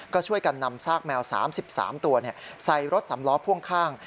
ก็ช่วยกันนำซากแมว๓๓ตัวใส่รถสำล้อพ่วงข้าง